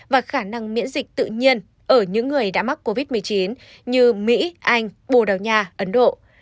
và khả năng miễn dịch tự nhiên ở những người đã mắc covid một mươi chín như mỹ anh bồ đào nha ấn độ